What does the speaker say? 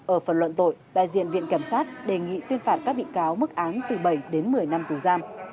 ở phần luận tội đại diện viện kiểm sát đề nghị tuyên phạt các bị cáo mức án từ bảy đến một mươi năm tù giam